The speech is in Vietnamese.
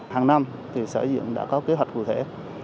hàng năm thì sở dựng đã có kế hoạch cụ thể